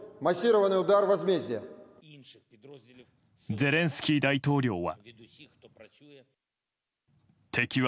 ゼレンスキー大統領は。